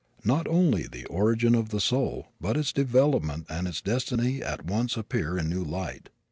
Not only the origin of the soul but its development and its destiny at once appear in a new light.